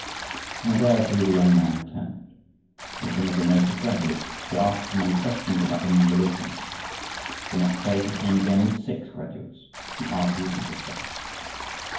In a day or two the young man returned. With him was a noted graduate, who asked many questions about the new religion. The next day he came again with six graduates, who argued and discussed.